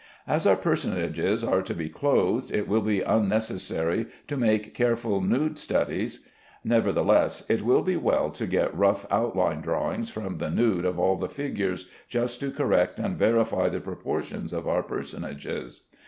As our personages are to be clothed, it will be unnecessary to make careful nude studies. Nevertheless, it will be well to get rough outline drawings from the nude of all the figures, just to correct and verify the proportions of our personages.